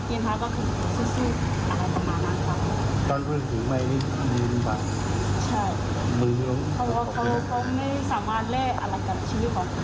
เขาบอกว่าเขาก็ไม่สามารถเล่นอะไรกับชีวิตของลูกเขาได้